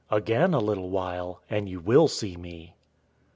Again a little while, and you will see me."